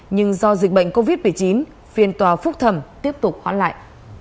nhưng do dịch bệnh covid một mươi chín phiên tòa phúc thẩm tiếp tục hoãn lại